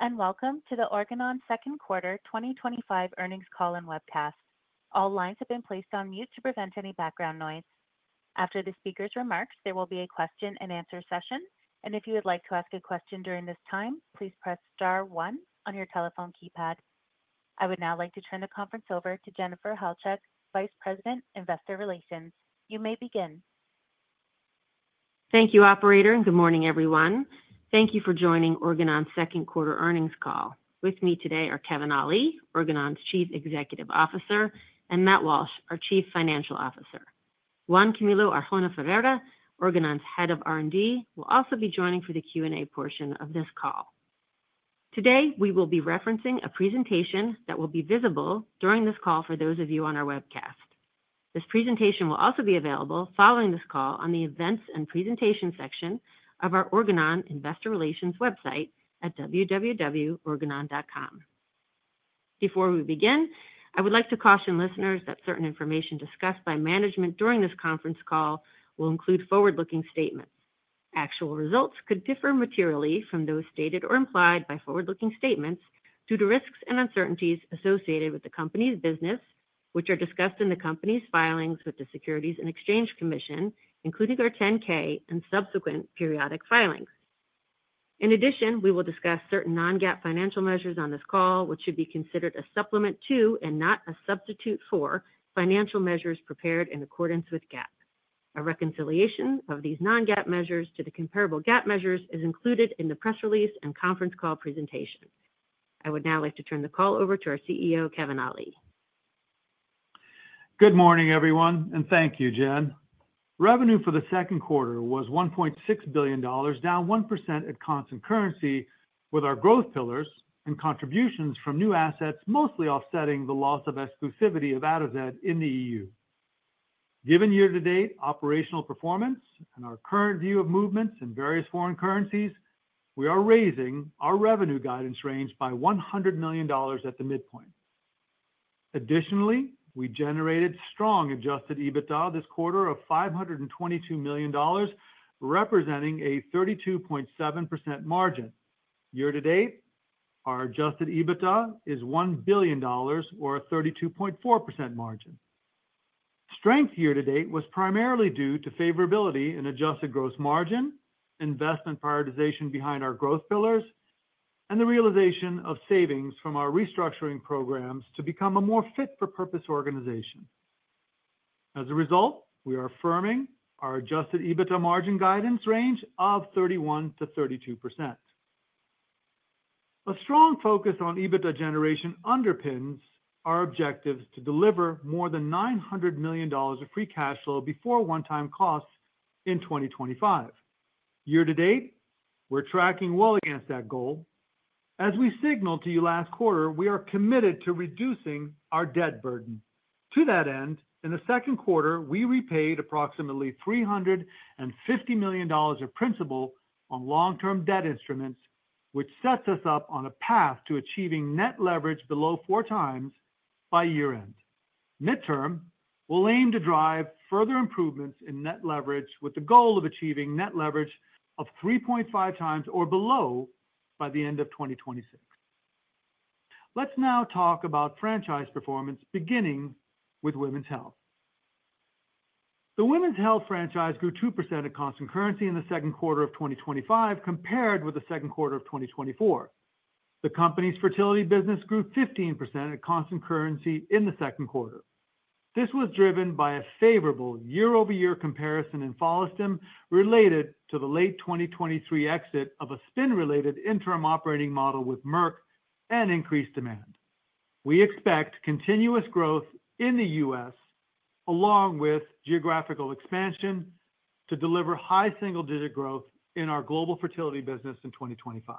Hello and welcome to the Organon Second Quarter 2025 Earnings Call and Webcast. All lines have been placed on mute to prevent any background noise. After the speaker's remarks, there will be a question and answer session, and if you would like to ask a question during this time, please press star one on your telephone keypad. I would now like to turn the conference over to Jennifer Halchak, Vice President, Investor Relations. You may begin. Thank you, Operator, and good morning, everyone. Thank you for joining Organon's Second Quarter Earnings Call. With me today are Kevin Ali, Organon's Chief Executive Officer, and Matt Walsh, our Chief Financial Officer. Juan Camilo Ferreira, Organon's Head of R&D, will also be joining for the Q&A portion of this call. Today, we will be referencing a presentation that will be visible during this call for those of you on our webcast. This presentation will also be available following this call on the Events and Presentation section of our Organon Investor Relations website at www.organon.com. Before we begin, I would like to caution listeners that certain information discussed by management during this conference call will include forward-looking statements. Actual results could differ materially from those stated or implied by forward-looking statements due to risks and uncertainties associated with the company's business, which are discussed in the company's filings with the Securities and Exchange Commission, including our 10-K and subsequent periodic filings. In addition, we will discuss certain non-GAAP financial measures on this call, which should be considered a supplement to and not a substitute for financial measures prepared in accordance with GAAP. A reconciliation of these non-GAAP measures to the comparable GAAP measures is included in the press release and conference call presentation. I would now like to turn the call over to our CEO, Kevin Ali. Good morning, everyone, and thank you, Jen. Revenue for the second quarter was $1.6 billion, down 1% at constant currency, with our growth pillars and contributions from new assets mostly offsetting the loss of exclusivity of Atozet in Europe. Given year-to-date operational performance and our current view of movements in various foreign currencies, we are raising our revenue guidance range by $100 million at the midpoint. Additionally, we generated strong adjusted EBITDA this quarter of $522 million, representing a 32.7% margin. Year-to-date, our adjusted EBITDA is $1 billion, or a 32.4% margin. Strength year-to-date was primarily due to favorability in adjusted gross margin, investment prioritization behind our growth pillars, and the realization of savings from our restructuring programs to become a more fit-for-purpose organization. As a result, we are affirming our adjusted EBITDA margin guidance range of 31%-32%. A strong focus on EBITDA generation underpins our objectives to deliver more than $900 million of free cash flow before one-time costs in 2025. Year-to-date, we're tracking well against that goal. As we signaled to you last quarter, we are committed to reducing our debt burden. To that end, in the second quarter, we repaid approximately $350 million of principal on long-term debt instruments, which sets us up on a path to achieving net leverage below 4x by year-end. Midterm, we'll aim to drive further improvements in net leverage with the goal of achieving net leverage of 3.5x or below by the end of 2026. Let's now talk about franchise performance, beginning with Women's Health. The Women's Health franchise grew 2% at constant currency in the second quarter of 2025 compared with the second quarter of 2024. The company's fertility business grew 15% at constant currency in the second quarter. This was driven by a favorable year-over-year comparison in Follistim related to the late 2023 exit of a spin-related interim operating model with Merck and increased demand. We expect continuous growth in the U.S., along with geographical expansion, to deliver high single-digit growth in our global fertility business in 2025.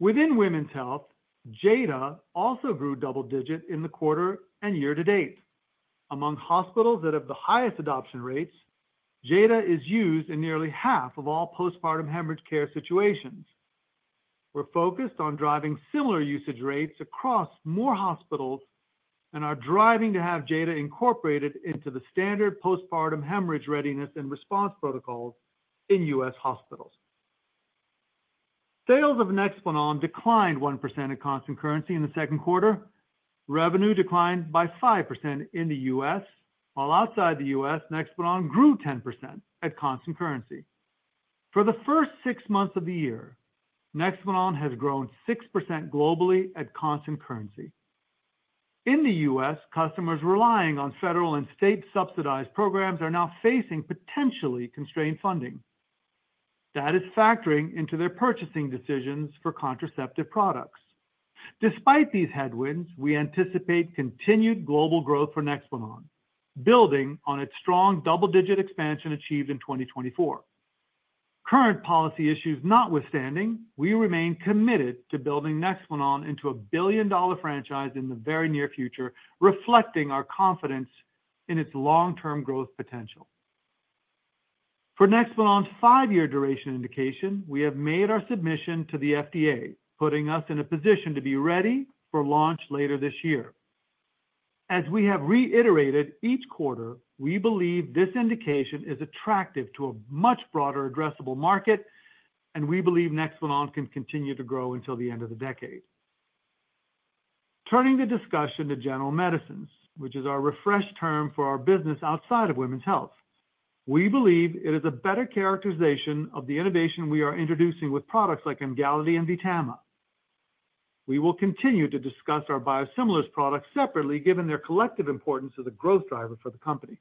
Within Women's Health, JADA also grew double-digit in the quarter and year-to-date. Among hospitals that have the highest adoption rates, JADA is used in nearly half of all postpartum hemorrhage care situations. We're focused on driving similar usage rates across more hospitals and are driving to have JADA incorporated into the standard postpartum hemorrhage readiness and response protocols in U.S. hospitals. Sales of NEXPLANON declined 1% at constant currency in the second quarter. Revenue declined by 5% in the U.S., while outside the U.S., NEXPLANON grew 10% at constant currency. For the first six months of the year, NEXPLANON has grown 6% globally at constant currency. In the U.S., customers relying on federal and state-subsidized programs are now facing potentially constrained funding. That is factoring into their purchasing decisions for contraceptive products. Despite these headwinds, we anticipate continued global growth for NEXPLANON, building on its strong double-digit expansion achieved in 2024. Current policy issues notwithstanding, we remain committed to building NEXPLANON into a billion-dollar franchise in the very near future, reflecting our confidence in its long-term growth potential. For NEXPLANON's five-year duration indication, we have made our submission to the FDA, putting us in a position to be ready for launch later this year. As we have reiterated each quarter, we believe this indication is attractive to a much broader addressable market, and we believe NEXPLANON can continue to grow until the end of the decade. Turning the discussion to general medicines, which is our refreshed term for our business outside of Women's Health, we believe it is a better characterization of the innovation we are introducing with products like Emgality and VTAMA. We will continue to discuss our biosimilars products separately, given their collective importance as a growth driver for the company.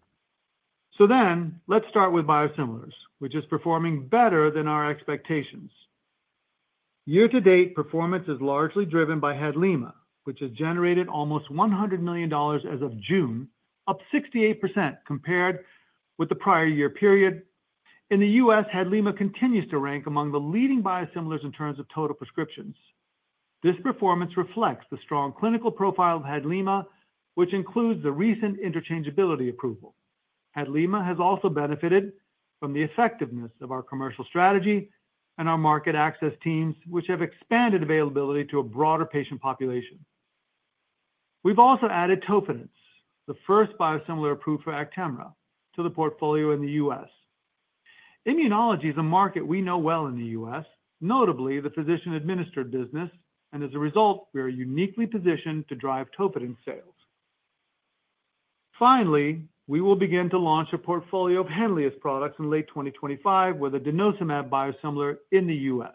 Let's start with biosimilars, which is performing better than our expectations. Year-to-date performance is largely driven by HADLIMA, which has generated almost $100 million as of June, up 68% compared with the prior year period. In the U.S., HADLIMA continues to rank among the leading biosimilars in terms of total prescriptions. This performance reflects the strong clinical profile of HADLIMA, which includes the recent interchangeability approval. HADLIMA has also benefited from the effectiveness of our commercial strategy and our market access teams, which have expanded availability to a broader patient population. We've also added TOFIDENCE, the first biosimilar approved for Actemra, to the portfolio in the U.S. Immunology is a market we know well in the U.S., notably the physician-administered business, and as a result, we are uniquely positioned to drive TOFIDENCE sales. Finally, we will begin to launch a portfolio of Henlius products in late 2025 with a Denosumab biosimilar in the U.S.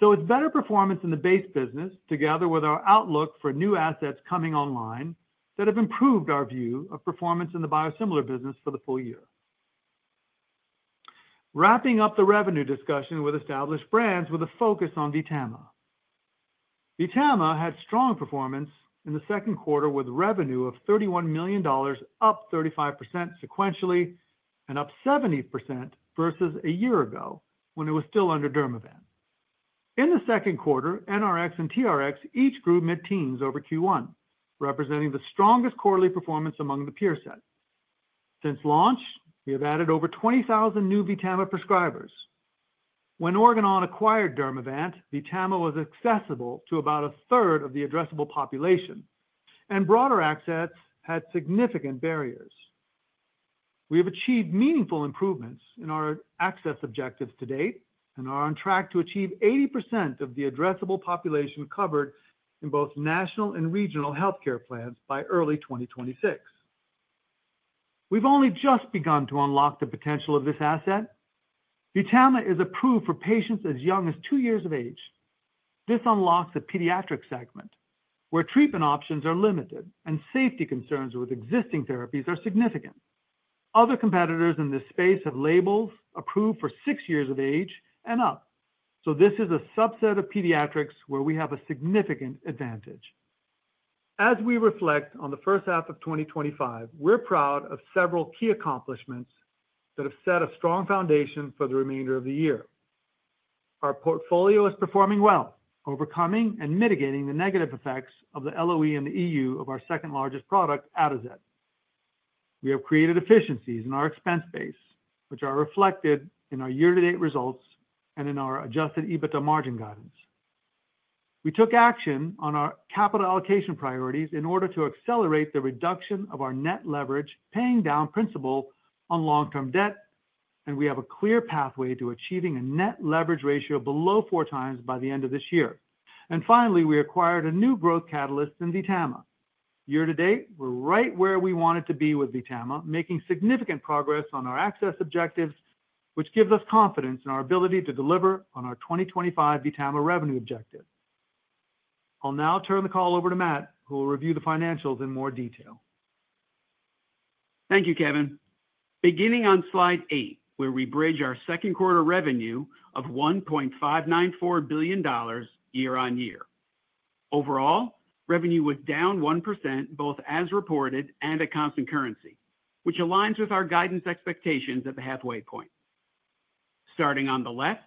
It is better performance in the base business together with our outlook for new assets coming online that have improved our view of performance in the biosimilar business for the full year. Wrapping up the revenue discussion with established brands with a focus on VTAMA. VTAMA had strong performance in the second quarter with revenue of $31 million, up 35% sequentially, and up 70% vs a year ago when it was still under Dermavant. In the second quarter, NRX and TRX each grew mid-teens over Q1, representing the strongest quarterly performance among the peer set. Since launch, we have added over 20,000 new VTAMA prescribers. When Organon acquired Dermavant, VTAMA was accessible to about a third of the addressable population, and broader access had significant barriers. We have achieved meaningful improvements in our access objectives to date and are on track to achieve 80% of the addressable population covered in both national and regional healthcare plans by early 2026. We have only just begun to unlock the potential of this asset. VTAMA is approved for patients as young as two years of age. This unlocks the pediatric segment, where treatment options are limited and safety concerns with existing therapies are significant. Other competitors in this space have labels approved for six years of age and up. This is a subset of pediatrics where we have a significant advantage. As we reflect on the first half of 2025, we are proud of several key accomplishments that have set a strong foundation for the remainder of the year. Our portfolio is performing well, overcoming and mitigating the negative effects of the LOE in the EU of our second largest product, Atozet. We have created efficiencies in our expense base, which are reflected in our year-to-date results and in our adjusted EBITDA margin guidance. We took action on our capital allocation priorities in order to accelerate the reduction of our net leverage, paying down principal on long-term debt, and we have a clear pathway to achieving a net leverage ratio below 4x by the end of this year. Finally, we acquired a new growth catalyst in VTAMA. Year-to-date, we're right where we wanted to be with VTAMA, making significant progress on our access objectives, which gives us confidence in our ability to deliver on our 2025 VTAMA revenue objective. I'll now turn the call over to Matt, who will review the financials in more detail. Thank you, Kevin. Beginning on slide eight, where we bridge our second quarter revenue of $1.594 billion year-on-year. Overall, revenue was down 1% both as reported and at constant currency, which aligns with our guidance expectations at the halfway point. Starting on the left,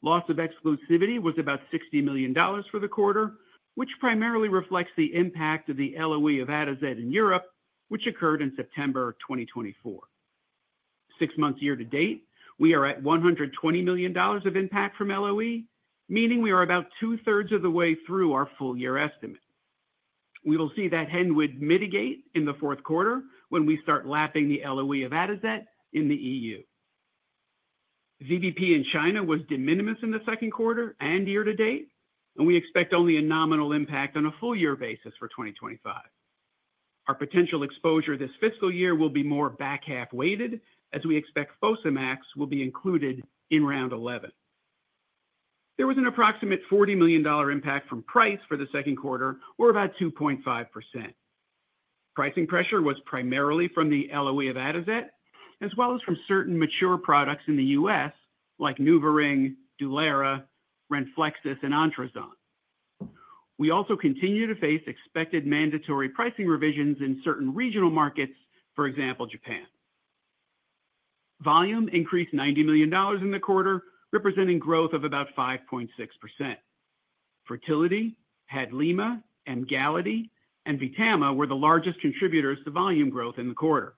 loss of exclusivity was about $60 million for the quarter, which primarily reflects the impact of the LOE of Atozet in Europe, which occurred in September 2024. Six months year-to-date, we are at $120 million of impact from LOE, meaning we are about 2/3 of the way through our full-year estimate. We will see that headwind mitigate in the fourth quarter when we start lapping the LOE of Atozet in the EU. GDP in China was de minimis in the second quarter and year-to-date, and we expect only a nominal impact on a full-year basis for 2025. Our potential exposure this fiscal year will be more back-half weighted as we expect FOSAMAX will be included in round 11. There was an approximate $40 million impact from price for the second quarter, or about 2.5%. Pricing pressure was primarily from the LOE of Atozet, as well as from certain mature products in the U.S., like NuvaRing, DULERA, Renflexis, and ONTRUZANT. We also continue to face expected mandatory pricing revisions in certain regional markets, for example, Japan. Volume increased $90 million in the quarter, representing growth of about 5.6%. Fertility, HADLIMA, Emgality, and VTAMA were the largest contributors to volume growth in the quarter.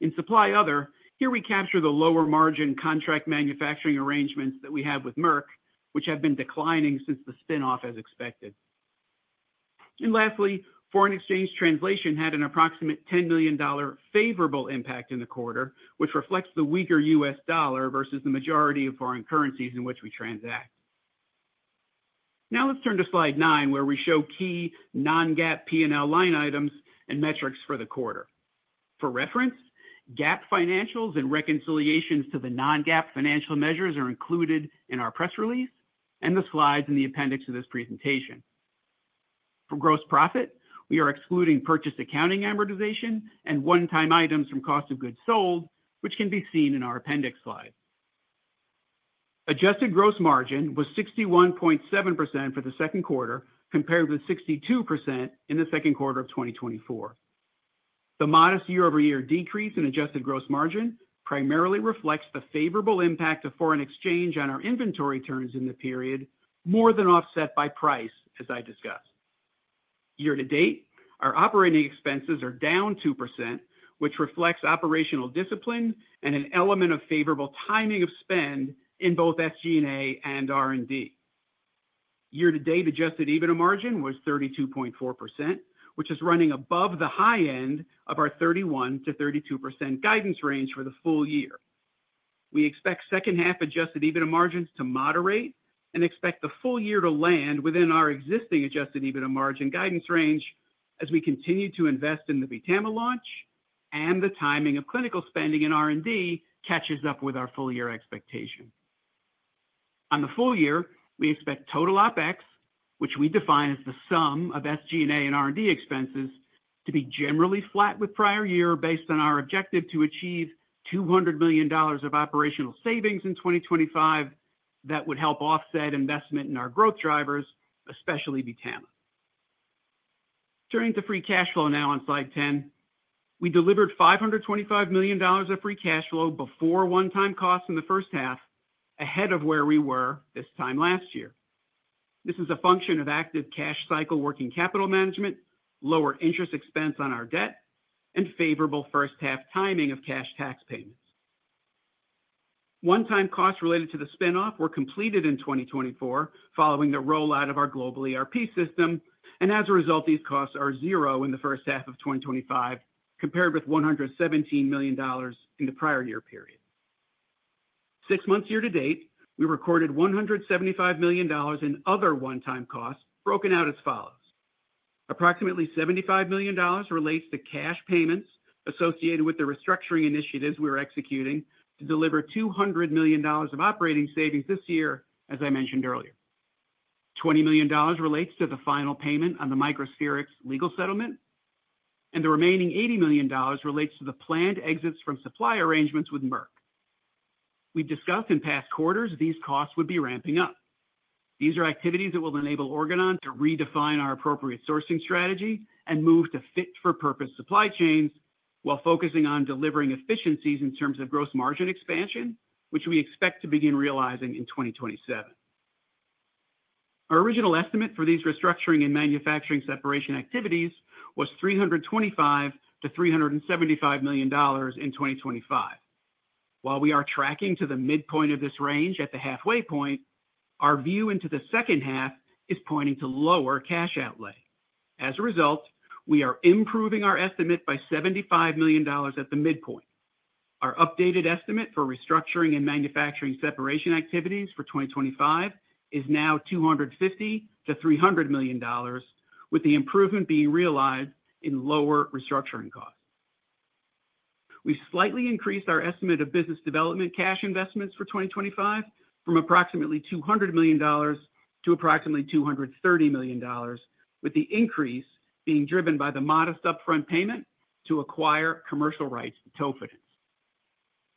In supply other, here we capture the lower margin contract manufacturing arrangements that we have with Merck, which have been declining since the spin-off as expected. Lastly, foreign exchange translation had an approximate $10 million favorable impact in the quarter, which reflects the weaker U.S. dollar vs the majority of foreign currencies in which we transact. Now let's turn to slide nine, where we show key non-GAAP P&L line items and metrics for the quarter. For reference, GAAP financials and reconciliations to the non-GAAP financial measures are included in our press release and the slides in the appendix of this presentation. For gross profit, we are excluding purchase accounting amortization and one-time items from cost of goods sold, which can be seen in our appendix slide. Adjusted gross margin was 61.7% for the second quarter, compared with 62% in the second quarter of 2024. The modest year-over-year decrease in adjusted gross margin primarily reflects the favorable impact of foreign exchange on our inventory turns in the period, more than offset by price, as I discussed. Year-to-date, our operating expenses are down 2%, which reflects operational discipline and an element of favorable timing of spend in both SG&A and R&D. Year-to-date adjusted EBITDA margin was 32.4%, which is running above the high end of our 31%-32% guidance range for the full year. We expect second half adjusted EBITDA margins to moderate and expect the full year to land within our existing adjusted EBITDA margin guidance range as we continue to invest in the VTAMA launch, and the timing of clinical spending and R&D catches up with our full year expectation. On the full year, we expect total OpEx, which we define as the sum of SG&A and R&D expenses, to be generally flat with prior year based on our objective to achieve $200 million of operational savings in 2025 that would help offset investment in our growth drivers, especially VTAMA. Turning to free cash flow now on slide 10, we delivered $525 million of free cash flow before one-time costs in the first half, ahead of where we were this time last year. This is a function of active cash cycle working capital management, lower interest expense on our debt, and favorable first half timing of cash tax payments. One-time costs related to the spin-off were completed in 2024 following the rollout of our global ERP system, and as a result, these costs are zero in the first half of 2025 compared with $117 million in the prior year period. Six months year-to-date, we recorded $175 million in other one-time costs broken out as follows. Approximately $75 million relates to cash payments associated with the restructuring initiatives we're executing to deliver $200 million of operating savings this year, as I mentioned earlier. $20 million relates to the final payment on the Microspherix legal settlement, and the remaining $80 million relates to the planned exits from supply arrangements with Merck. We discussed in past quarters these costs would be ramping up. These are activities that will enable Organon to redefine our appropriate sourcing strategy and move to fit-for-purpose supply chains while focusing on delivering efficiencies in terms of gross margin expansion, which we expect to begin realizing in 2027. Our original estimate for these restructuring and manufacturing separation activities was $325 million-$375 million in 2025. While we are tracking to the midpoint of this range at the halfway point, our view into the second half is pointing to lower cash outlay. As a result, we are improving our estimate by $75 million at the midpoint. Our updated estimate for restructuring and manufacturing separation activities for 2025 is now $250 million-$300 million, with the improvement being realized in lower restructuring costs. We've slightly increased our estimate of business development cash investments for 2025 from approximately $200 million to approximately $230 million, with the increase being driven by the modest upfront payment to acquire commercial rights to TOFIDENCE.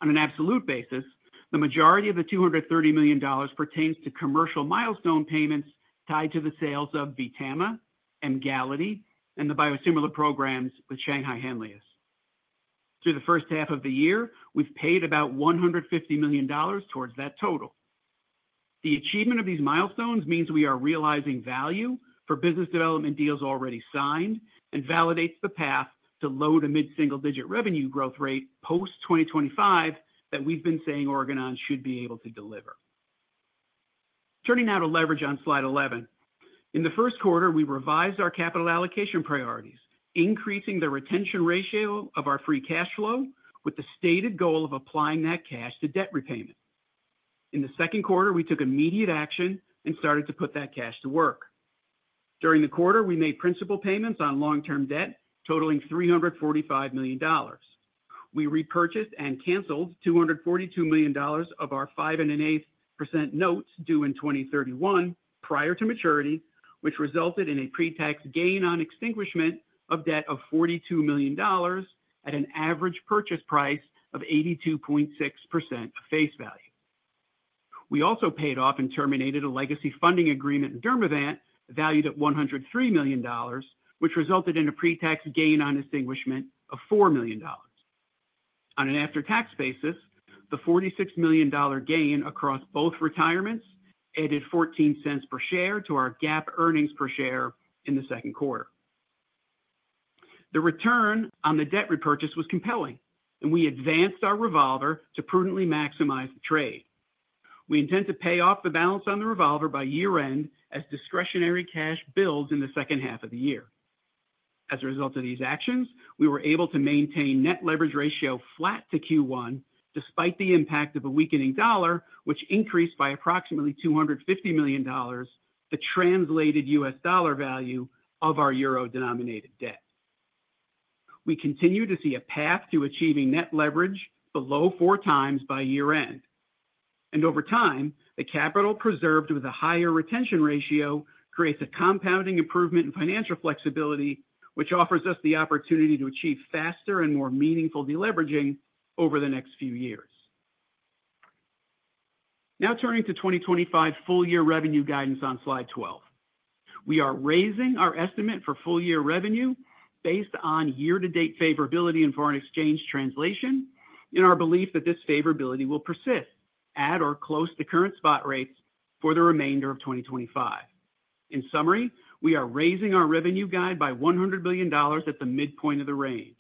On an absolute basis, the majority of the $230 million pertains to commercial milestone payments tied to the sales of VTAMA, Emgality, and the biosimilar programs with Shanghai Henlius. Through the first half of the year, we've paid about $150 million towards that total. The achievement of these milestones means we are realizing value for business development deals already signed and validates the path to low to mid-single-digit revenue growth rate post-2025 that we've been saying Organon should be able to deliver. Turning now to leverage on slide 11, in the first quarter, we revised our capital allocation priorities, increasing the retention ratio of our free cash flow with the stated goal of applying that cash to debt repayment. In the second quarter, we took immediate action and started to put that cash to work. During the quarter, we made principal payments on long-term debt totaling $345 million. We repurchased and canceled $242 million of our 5.8% notes due in 2031 prior to maturity, which resulted in a pre-tax gain on extinguishment of debt of $42 million at an average purchase price of 82.6% face value. We also paid off and terminated a legacy funding agreement in Dermavant valued at $103 million, which resulted in a pre-tax gain on extinguishment of $4 million. On an after-tax basis, the $46 million gain across both retirements added $0.14/share to our GAAP earnings per share in the second quarter. The return on the debt repurchase was compelling, and we advanced our revolver to prudently maximize the trade. We intend to pay off the balance on the revolver by year-end as discretionary cash builds in the second half of the year. As a result of these actions, we were able to maintain net leverage ratio flat to Q1, despite the impact of a weakening dollar, which increased by approximately $250 million, the translated U.S. dollar value of our Euro denominated debt. We continue to see a path to achieving net leverage below four times by year-end. Over time, the capital preserved with a higher retention ratio creates a compounding improvement in financial flexibility, which offers us the opportunity to achieve faster and more meaningful deleveraging over the next few years. Now turning to 2025 full-year revenue guidance on slide 12. We are raising our estimate for full-year revenue based on year-to-date favorability in foreign exchange translation and our belief that this favorability will persist at or close to current spot rates for the remainder of 2025. In summary, we are raising our revenue guide by $100 million at the midpoint of the range.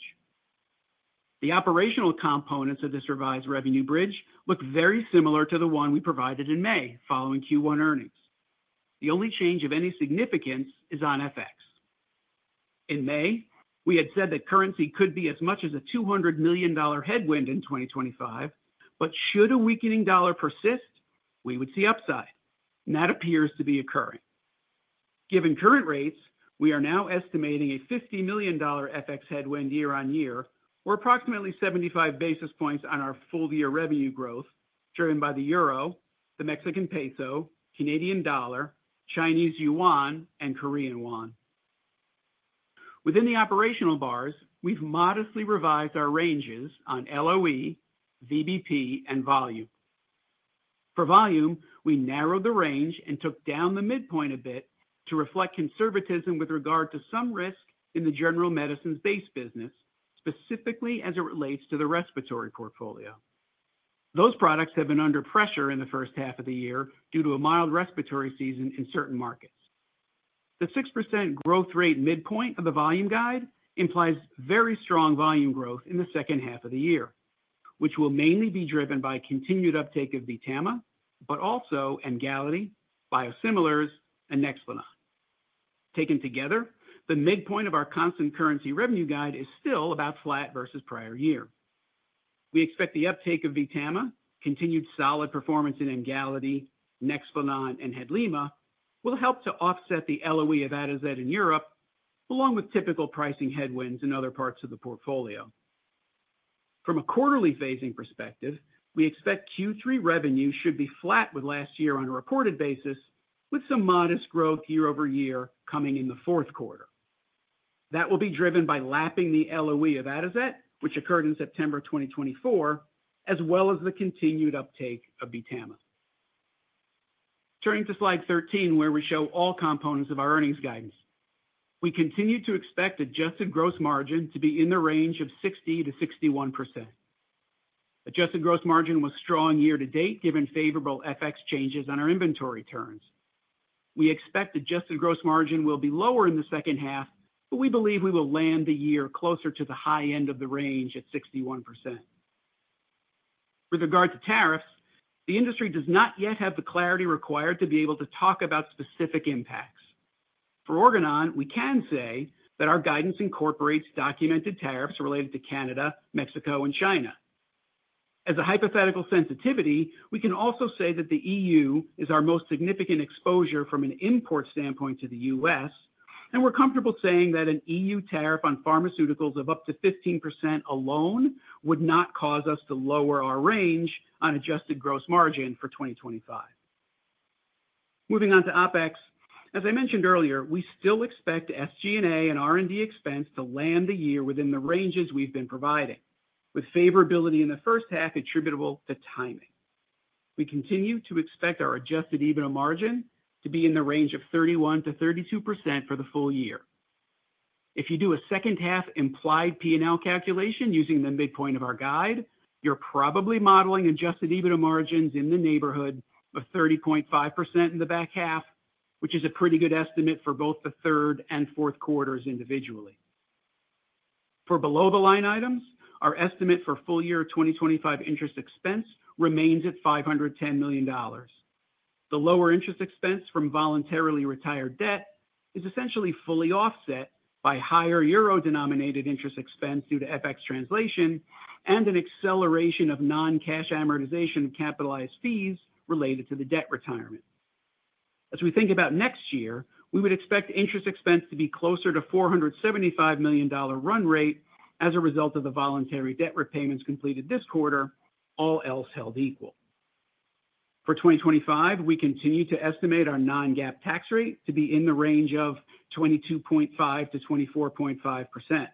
The operational components of this revised revenue bridge look very similar to the one we provided in May following Q1 earnings. The only change of any significance is on FX. In May, we had said that currency could be as much as a $200 million headwind in 2025, but should a weakening dollar persist, we would see upside. That appears to be occurring. Given current rates, we are now estimating a $50 million FX headwind year-on-year, or approximately 75 basis points on our full-year revenue growth driven by the Euro, the Mexican peso, Canadian dollar, Chinese yuan, and Korean won. Within the operational bars, we've modestly revised our ranges on LOE, VBP, and volume. For volume, we narrowed the range and took down the midpoint a bit to reflect conservatism with regard to some risk in the general medicines base business, specifically as it relates to the respiratory portfolio. Those products have been under pressure in the first half of the year due to a mild respiratory season in certain markets. The 6% growth rate midpoint of the volume guide implies very strong volume growth in the second half of the year, which will mainly be driven by continued uptake of VTAMA, but also Emgality, biosimilars, and NEXPLANON. Taken together, the midpoint of our constant currency revenue guide is still about flat versus prior year. We expect the uptake of VTAMA, continued solid performance in Emgality, NEXPLANON, and Head Lima will help to offset the LOE of Atozet in Europe, along with typical pricing headwinds in other parts of the portfolio. From a quarterly phasing perspective, we expect Q3 revenue should be flat with last year on a reported basis, with some modest growth year-over-year coming in the fourth quarter. That will be driven by lapping the LOE of Atozet, which occurred in September 2024, as well as the continued uptake of VTAMA. Turning to slide 13, where we show all components of our earnings guidance, we continue to expect adjusted gross margin to be in the range of 60%-61%. Adjusted gross margin was strong year-to-date, given favorable FX changes on our inventory turns. We expect adjusted gross margin will be lower in the second half, but we believe we will land the year closer to the high end of the range at 61%. With regard to tariffs, the industry does not yet have the clarity required to be able to talk about specific impacts. For Organon, we can say that our guidance incorporates documented tariffs related to Canada, Mexico, and China. As a hypothetical sensitivity, we can also say that the EU is our most significant exposure from an import standpoint to the U.S., and we're comfortable saying that an EU tariff on pharmaceuticals of up to 15% alone would not cause us to lower our range on adjusted gross margin for 2025. Moving on to OpEx, as I mentioned earlier, we still expect SG&A and R&D expense to land the year within the ranges we've been providing, with favorability in the first half attributable to timing. We continue to expect our adjusted EBITDA margin to be in the range of 31%-32% for the full year. If you do a second half implied P&L calculation using the midpoint of our guide, you're probably modeling adjusted EBITDA margins in the neighborhood of 30.5% in the back half, which is a pretty good estimate for both the third and fourth quarters individually. For below-the-line items, our estimate for full-year 2025 interest expense remains at $510 million. The lower interest expense from voluntarily retired debt is essentially fully offset by higher Euro denominated interest expense due to FX translation and an acceleration of non-cash amortization of capitalized fees related to the debt retirement. As we think about next year, we would expect interest expense to be closer to $475 million run rate as a result of the voluntary debt repayments completed this quarter, all else held equal. For 2025, we continue to estimate our non-GAAP tax rate to be in the range of 22.5%-24.5%.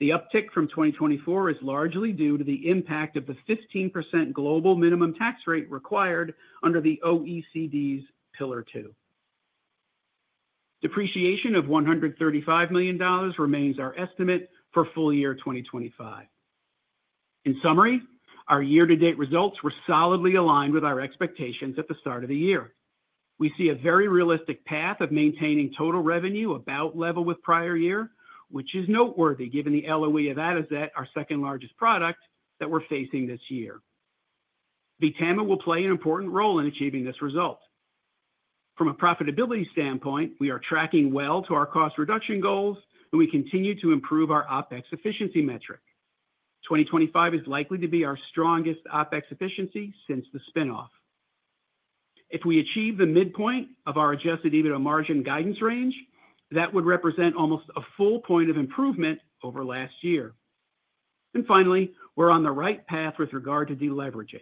The uptick from 2024 is largely due to the impact of the 15% global minimum tax rate required under the OECD's Pillar Two. Depreciation of $135 million remains our estimate for full-year 2025. In summary, our year-to-date results were solidly aligned with our expectations at the start of the year. We see a very realistic path of maintaining total revenue about level with prior year, which is noteworthy given the LOE of Atozet, our second largest product, that we're facing this year. VTAMA will play an important role in achieving this result. From a profitability standpoint, we are tracking well to our cost reduction goals, and we continue to improve our OpEx efficiency metric. 2025 is likely to be our strongest OpEx efficiency since the spin-off. If we achieve the midpoint of our adjusted EBITDA margin guidance range, that would represent almost a full point of improvement over last year. Finally, we're on the right path with regard to deleveraging.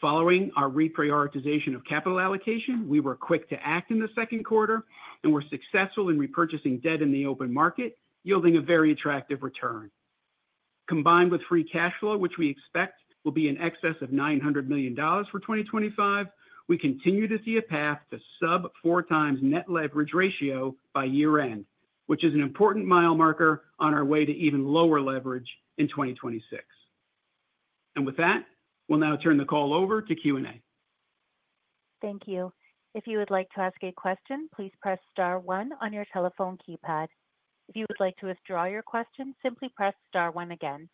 Following our reprioritization of capital allocation, we were quick to act in the second quarter and were successful in repurchasing debt in the open market, yielding a very attractive return. Combined with free cash flow, which we expect will be in excess of $900 million for 2025, we continue to see a path to sub-four times net leverage ratio by year-end, which is an important mile marker on our way to even lower leverage in 2026. With that, we'll now turn the call over to Q&A. Thank you. If you would like to ask a question, please press star one on your telephone keypad. If you would like to withdraw your question, simply press star one again.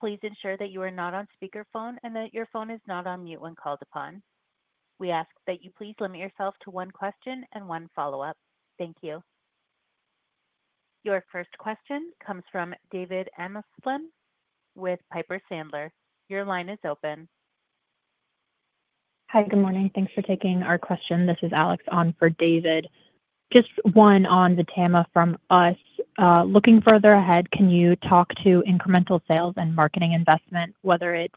Please ensure that you are not on speakerphone and that your phone is not on mute when called upon. We ask that you please limit yourself to one question and one follow-up. Thank you. Your first question comes from David Amsellem with Piper Sandler. Your line is open. Hi, good morning. Thanks for taking our question. This is Alex on for David. Just one on VTAMA from us. Looking further ahead, can you talk to incremental sales and marketing investment, whether it's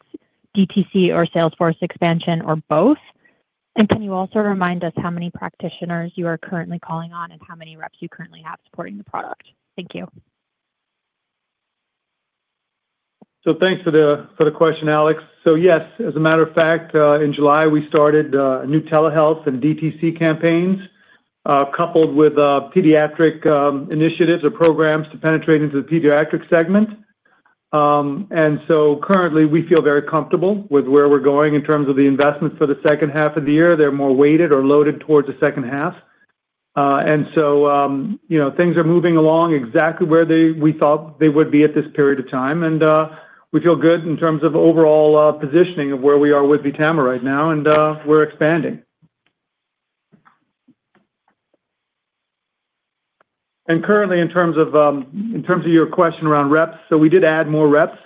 DTC or Sales force expansion or both? Can you also remind us how many practitioners you are currently calling on and how many reps you currently have supporting the product? Thank you. Thank you for the question, Alex. Yes, as a matter of fact, in July, we started new telehealth and DTC campaigns coupled with pediatric initiatives or programs to penetrate into the pediatric segment. Currently, we feel very comfortable with where we're going in terms of the investments for the second half of the year. They're more weighted or loaded towards the second half, and things are moving along exactly where we thought they would be at this period of time. We feel good in terms of overall positioning of where we are with VTAMA right now, and we're expanding. Currently, in terms of your question around reps, we did add more reps.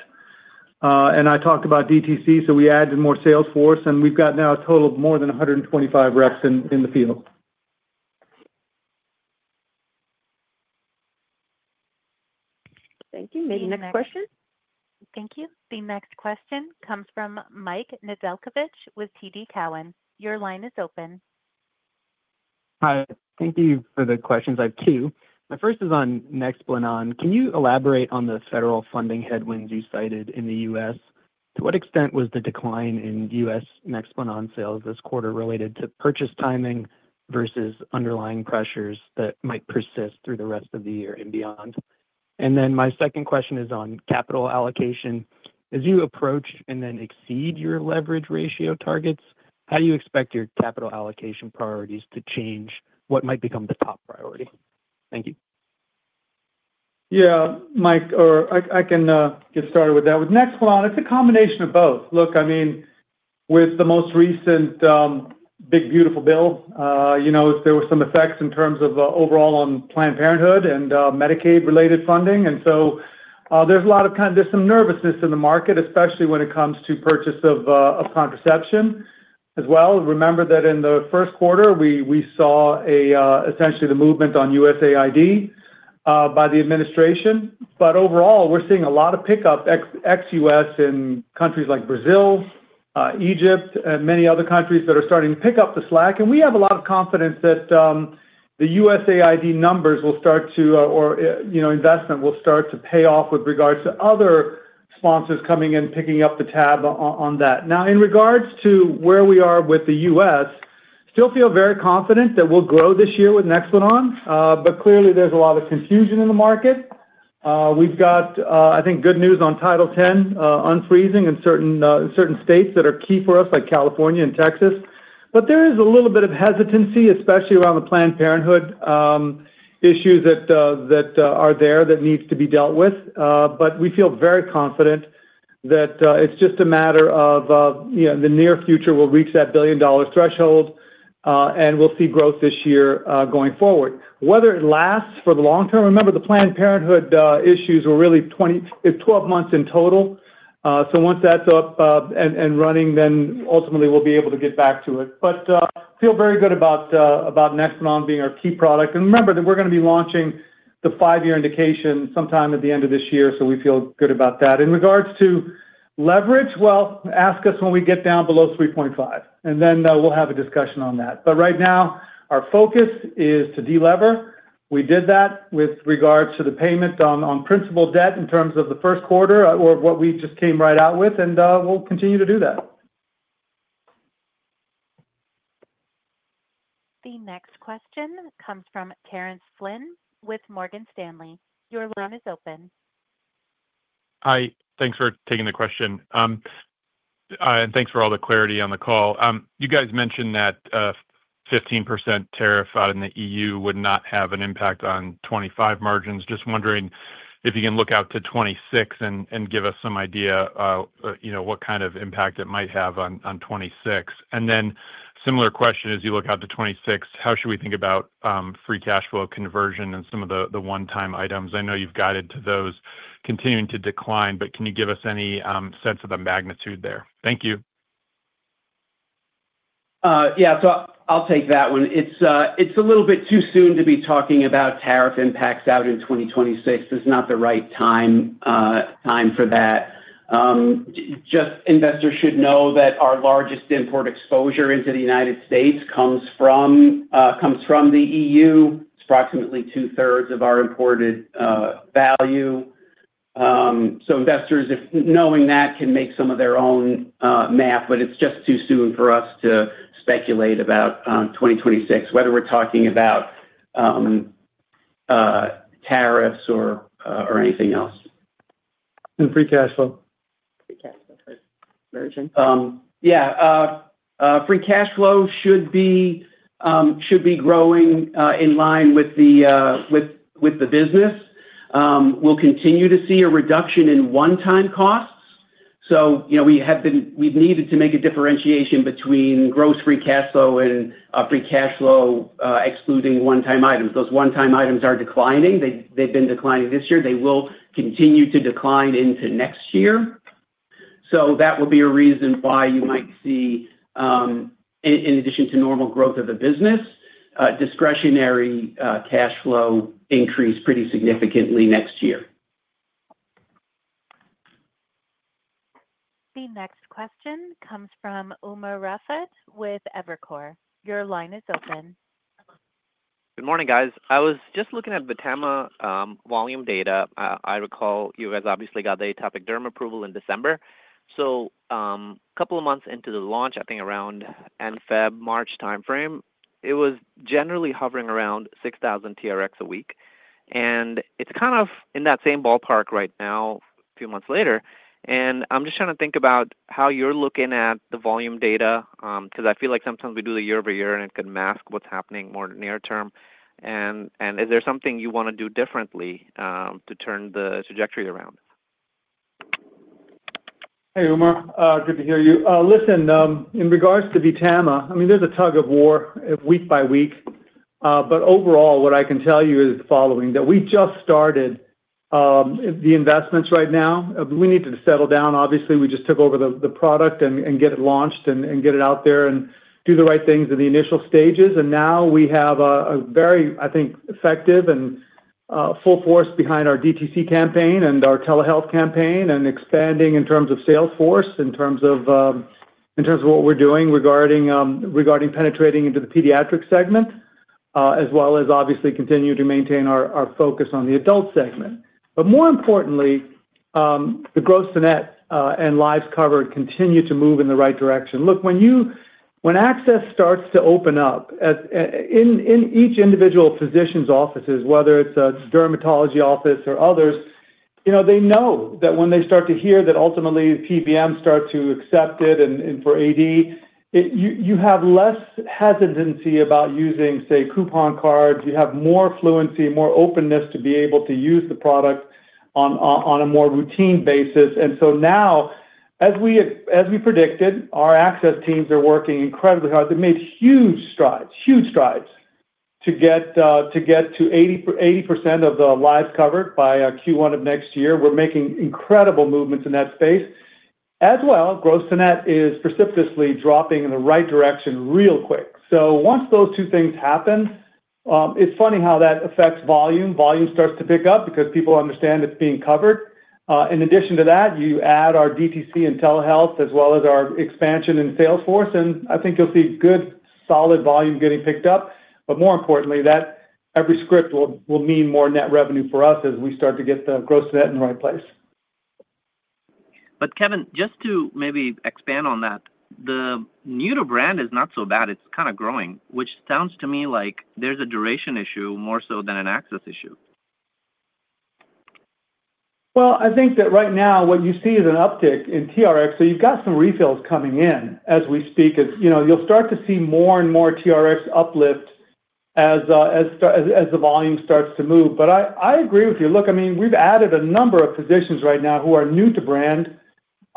I talked about DTC, so we added more Sales force, and we've got now a total of more than 125 reps in the field. Thank you. Maybe next question. Thank you. The next question comes from Michael Nedelcovych with TD Cowen. Your line is open. Hi. Thank you for the questions. I have two. My first is on NEXPLANON. Can you elaborate on the federal funding headwinds you cited in the U.S.? To what extent was the decline in U.S. NEXPLANON sales this quarter related to purchase timing versus underlying pressures that might persist through the rest of the year and beyond? My second question is on capital allocation. As you approach and then exceed your leverage ratio targets, how do you expect your capital allocation priorities to change? What might become the top priority? Thank you. Yeah, Mike, or I can get started with that. With NEXPLANON, it's a combination of both. Look, I mean, with the most recent big beautiful bill, there were some effects in terms of overall on Planned Parenthood and Medicaid-related funding. There is a lot of kind of, there's some nervousness in the market, especially when it comes to purchase of contraception as well. Remember that in the first quarter, we saw essentially the movement on USAID by the administration. Overall, we're seeing a lot of pickup ex-U.S. in countries like Brazil, Egypt, and many other countries that are starting to pick up the slack. We have a lot of confidence that the USAID numbers will start to, or investment will start to pay off with regards to other sponsors coming in, picking up the tab on that. In regards to where we are with the U.S., I still feel very confident that we'll grow this year with NEXPLANON. Clearly, there's a lot of confusion in the market. We've got, I think, good news on Title X unfreezing in certain states that are key for us, like California and Texas. There is a little bit of hesitancy, especially around the Planned Parenthood issues that are there that need to be dealt with. We feel very confident that it's just a matter of the near future. We'll reach that billion-dollar threshold, and we'll see growth this year going forward. Whether it lasts for the long term, remember the Planned Parenthood issues were really 20, it's 12 months in total. Once that's up and running, then ultimately we'll be able to get back to it. I feel very good about NEXPLANON being our key product. Remember that we're going to be launching the five-year indication sometime at the end of this year. We feel good about that. In regards to leverage, ask us when we get down below 3.5. Then we'll have a discussion on that. Right now, our focus is to de-lever. We did that with regards to the payment on principal debt in terms of the first quarter or what we just came right out with. We'll continue to do that. The next question comes from Terence Flynn with Morgan Stanley. Your line is open. Hi, thanks for taking the question. Thanks for all the clarity on the call. You guys mentioned that 15% tariff out in the EU would not have an impact on 2025 margins. Just wondering if you can look out to 2026 and give us some idea, you know, what kind of impact it might have on 2026. A similar question is you look out to 2026. How should we think about free cash flow conversion and some of the one-time items? I know you've guided to those continuing to decline, but can you give us any sense of the magnitude there? Thank you. I'll take that one. It's a little bit too soon to be talking about tariff impacts out in 2026. It's not the right time for that. Investors should know that our largest import exposure into the United States comes from the EU. It's approximately 2/3 of our imported value. Investors, knowing that, can make some of their own math, but it's just too soon for us to speculate about 2026, whether we're talking about tariffs or anything else. Free cash flow? Free cash flow. Yeah, free cash flow should be growing in line with the business. We will continue to see a reduction in one-time costs. We have needed to make a differentiation between gross free cash flow and free cash flow excluding one-time items. Those one-time items are declining. They have been declining this year. They will continue to decline into next year. That will be a reason why you might see, in addition to normal growth of the business, discretionary cash flow increase pretty significantly next year. The next question comes from Umer Raffat with Evercore. Your line is open. Good morning, guys. I was just looking at VTAMA volume data. I recall you guys obviously got the Atopic Derm approval in December. A couple of months into the launch, I think around February-March timeframe, it was generally hovering around 6,000 TRx a week. It's kind of in that same ballpark right now, a few months later. I'm just trying to think about how you're looking at the volume data, because I feel like sometimes we do the year-over-year and it can mask what's happening more near term. Is there something you want to do differently to turn the trajectory around? Hey, Umer. Good to hear you. In regards to VTAMA, there's a tug of war week-by-week. Overall, what I can tell you is the following: we just started the investments right now. We needed to settle down. Obviously, we just took over the product and get it launched and get it out there and do the right things in the initial stages. Now we have a very, I think, effective and full force behind our DTC campaign and our telehealth campaign and expanding in terms of Sales force, in terms of what we're doing regarding penetrating into the pediatric segment, as well as obviously continue to maintain our focus on the adult segment. More importantly, the gross net and lives covered continue to move in the right direction. Look, when access starts to open up in each individual physician's offices, whether it's a dermatology office or others, they know that when they start to hear that ultimately PBMs start to accept it and for AD, you have less hesitancy about using, say, coupon cards. You have more fluency, more openness to be able to use the product on a more routine basis. As we predicted, our access teams are working incredibly hard. They made huge strides, huge strides to get to 80% of the lives covered by Q1 of next year. We're making incredible movements in that space. As well, gross net is precipitously dropping in the right direction real quick. Once those two things happen, it's funny how that affects volume. Volume starts to pick up because people understand it's being covered. In addition to that, you add our DTC and telehealth, as well as our expansion in Sales force. I think you'll see good, solid volume getting picked up. More importantly, every script will mean more net revenue for us as we start to get the gross net in the right place. Kevin, just to maybe expand on that, the new to brand is not so bad. It's kind of growing, which sounds to me like there's a duration issue more so than an access issue. I think that right now what you see is an uptick in TRx. You've got some refills coming in as we speak. You know, you'll start to see more and more TRx uplift as the volume starts to move. I agree with you. Look, I mean, we've added a number of physicians right now who are new to brand.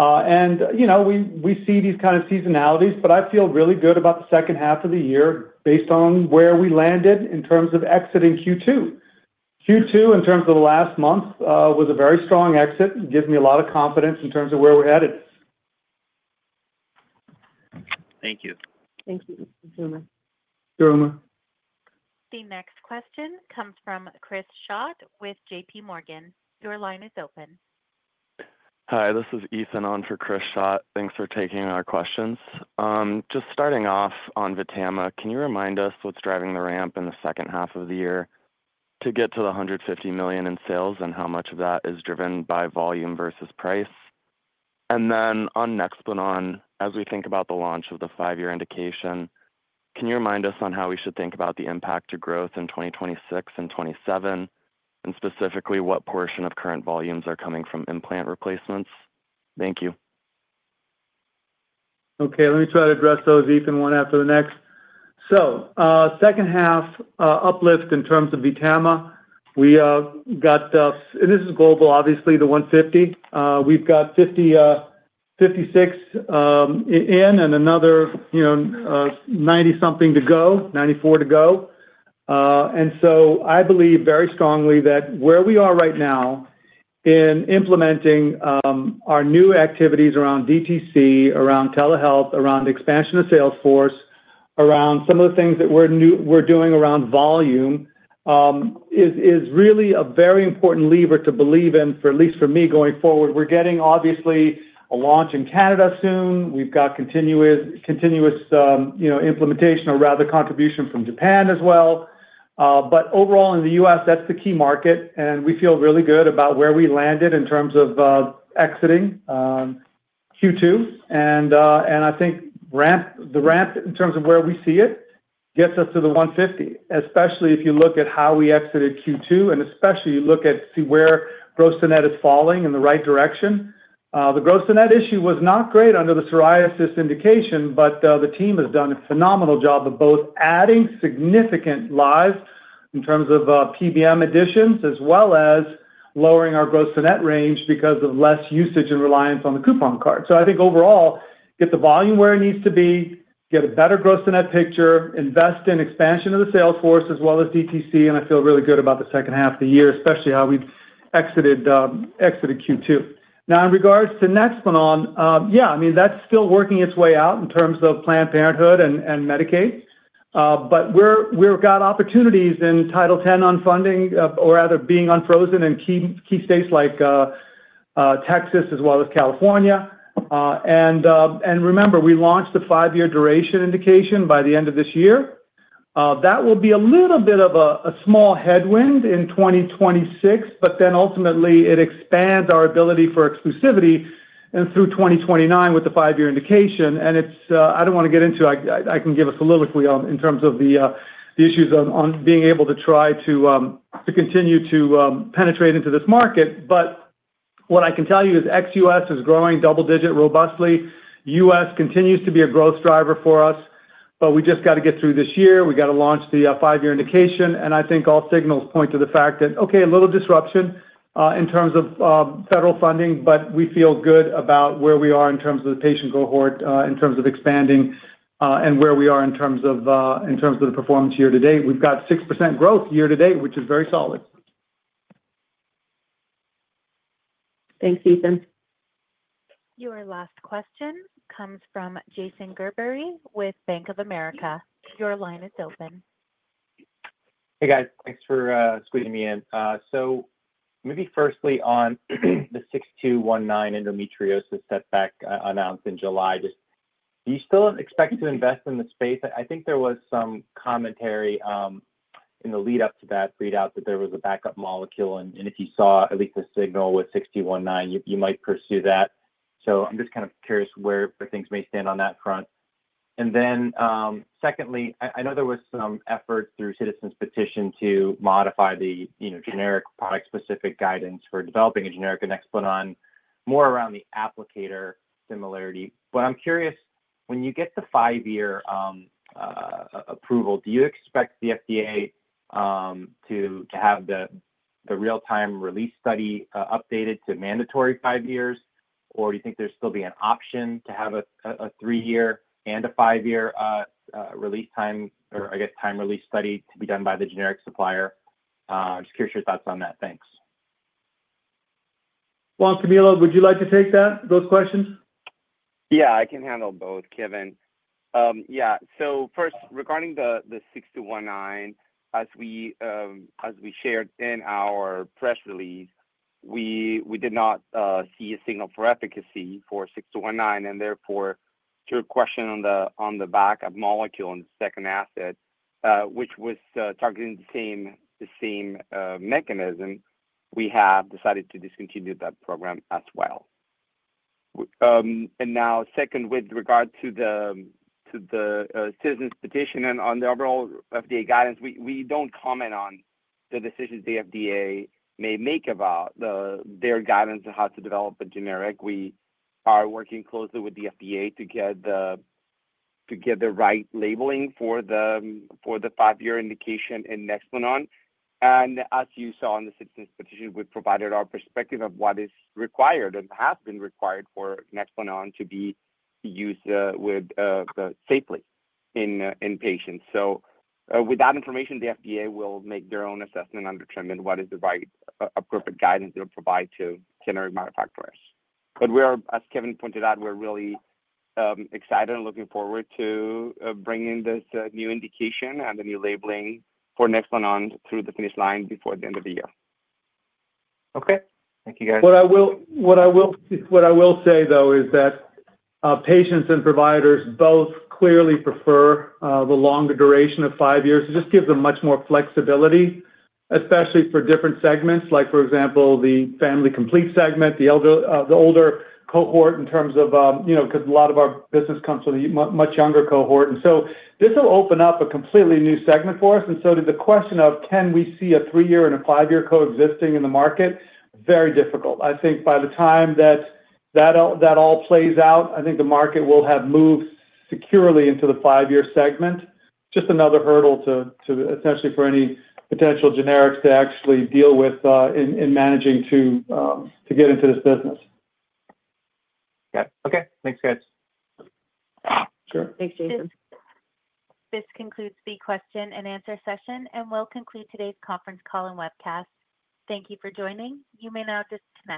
You know, we see these kind of seasonalities, but I feel really good about the second half of the year based on where we landed in terms of exit in Q2. Q2, in terms of the last month, was a very strong exit. It gives me a lot of confidence in terms of where we're headed. Thank you. Thanks, Umer? Sure, Umer. The next question comes from Chris Schott with JPMorgan. Your line is open. Hi, this is Ethan on for Chris Schott. Thanks for taking our questions. Just starting off on VTAMA, can you remind us what's driving the ramp in the second half of the year to get to the $150 million in sales, and how much of that is driven by volume vs price? On NEXPLANON, as we think about the launch of the five-year indication, can you remind us on how we should think about the impact to growth in 2026 and 2027, and specifically what portion of current volumes are coming from implant replacements? Thank you. Okay, let me try to address those, Ethan, one after the next. Second half uplift in terms of VTAMA. We got, and this is global, obviously, the $150 million. We've got $56 million in and another, you know, $94 million to go. I believe very strongly that where we are right now in implementing our new activities around DTC, around telehealth, around expansion of Sales force, around some of the things that we're doing around volume is really a very important lever to believe in, at least for me going forward. We're getting obviously a launch in Canada soon. We've got continuous, you know, implementation or rather contribution from Japan as well. Overall, in the U.S., that's the key market. We feel really good about where we landed in terms of exiting Q2. I think the ramp in terms of where we see it gets us to the $150 million, especially if you look at how we exited Q2. Especially you look at where gross net is falling in the right direction. The gross net issue was not great under the psoriasis indication, but the team has done a phenomenal job of both adding significant lives in terms of PBM additions, as well as lowering our gross net range because of less usage and reliance on the coupon card. I think overall, get the volume where it needs to be, get a better gross net picture, invest in expansion of the Sales force, as well as DTC. I feel really good about the second half of the year, especially how we exited Q2. Now, in regards to NEXPLANON, that's still working its way out in terms of Planned Parenthood and Medicaid. We've got opportunities in Title X on funding, or rather being unfrozen in key states like Texas, as well as California. Remember, we launched the five-year duration indication by the end of this year. That will be a little bit of a small headwind in 2026, but ultimately it expands our ability for exclusivity through 2029 with the five-year indication. I don't want to get into, I can give a soliloquy in terms of the issues on being able to try to continue to penetrate into this market. What I can tell you is ex U.S. is growing double-digit robustly. U.S. continues to be a growth driver for us, we just got to get through this year. We got to launch the five-year indication. I think all signals point to the fact that, okay, a little disruption in terms of federal funding, but we feel good about where we are in terms of the patient cohort, in terms of expanding, and where we are in terms of the performance year-to-date. We've got 6% growth year-to-date, which is very solid. Thanks, Ethan. Your last question comes from Jason Gerberry with Bank of America. Your line is open. Hey guys, thanks for squeezing me in. Firstly, on the 6219 endometriosis setback announced in July, do you still expect to invest in the space? I think there was some commentary in the lead-up to that readout that there was a backup molecule, and if you saw at least a signal with 6219, you might pursue that. I'm just kind of curious where things may stand on that front. Secondly, I know there was some effort through Citizens' Petition to modify the generic product-specific guidance for developing a generic NEXPLANON more around the applicator similarity. I'm curious, when you get the five-year approval, do you expect the FDA to have the real-time release study updated to mandatory five years, or do you think there will still be an option to have a three-year and a five-year release time, or a time-release study to be done by the generic supplier? I'm just curious your thoughts on that. Thanks. Camilo, would you like to take those questions? Yeah, I can handle both, Kevin. First, regarding the 6219, as we shared in our press release, we did not see a signal for efficacy for 6219. Therefore, to your question on the backup molecule and the second asset, which was targeting the same mechanism, we have decided to discontinue that program as well. Now, with regard to the Citizens' Petition and the overall FDA guidance, we don't comment on the decisions the FDA may make about their guidance on how to develop a generic. We are working closely with the FDA to get the right labeling for the five-year indication in NEXPLANON. As you saw in the Citizens' Petition, we provided our perspective of what is required and has been required for NEXPLANON to be used safely in patients. With that information, the FDA will make their own assessment and determine what is the right appropriate guidance they'll provide to generic manufacturers. As Kevin pointed out, we're really excited and looking forward to bringing this new indication and the new labeling for NEXPLANON through the finish line before the end of the year. Okay. Thank you, guys. What I will say, though, is that patients and providers both clearly prefer the longer duration of five years. It just gives them much more flexibility, especially for different segments, like, for example, the family complete segment, the older cohort, because a lot of our business comes from the much younger cohort. This will open up a completely new segment for us. The question of can we see a three-year and a five-year coexisting in the market? Very difficult. I think by the time that all plays out, the market will have moved securely into the five-year segment. It's just another hurdle essentially for any potential generics to actually deal with in managing to get into this business. Okay. Thanks, guys. Sure. Thanks, Jason. This concludes the question and answer session and will conclude today's conference call and webcast. Thank you for joining. You may now disconnect.